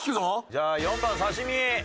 じゃあ４番「刺身」。